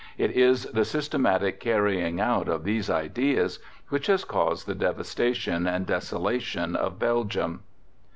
It is the systematic carrying out of these ideas which has caused the devastation and desolation of Belgium.